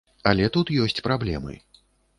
Але тут ёсць праблемы.